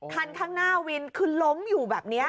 คันข้างหน้าวินคือล้มอยู่แบบนี้